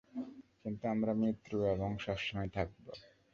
কিন্তু আমরা মৃত্যু এবং সবসময় থাকব।